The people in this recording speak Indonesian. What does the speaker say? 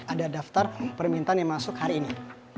ada daftar permintaan yang masuk hari ini